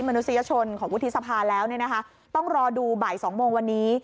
มนุษยชนของวุฒิสภาแล้วเนี่ยนะคะต้องรอดูบ่ายสองโมงวันนี้